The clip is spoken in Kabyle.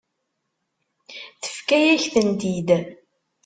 Tefka-yak-tent-id.